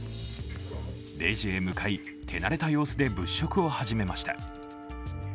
レジへ向かい、手慣れた様子で物色を始めました。